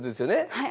はい。